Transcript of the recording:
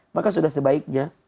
maka sudah sebaiknya